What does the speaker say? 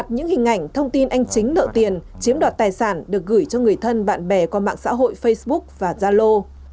những hình ảnh thông tin anh chính nợ tiền chiếm đoạt tài sản được gửi cho người thân bạn bè qua mạng xã hội facebook và zalo